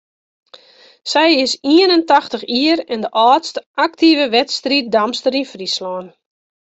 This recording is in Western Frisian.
Sy is ien en tachtich jier en de âldste aktive wedstriiddamster yn Fryslân.